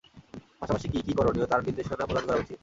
পাশাপাশি, কি কি করণীয় - তাঁর নির্দেশনা প্রদান করা উচিৎ।